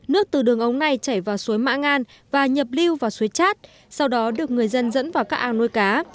nước từ đường ống này chảy vào suối mãn và nhập lưu vào suối chát sau đó được người dân dẫn vào các ao nuôi cá